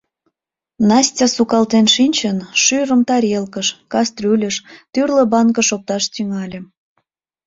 Настя, сукалтен шинчын, шӱрым тарелкыш, кастрюльыш, тӱрлӧ банкыш опташ тӱҥале.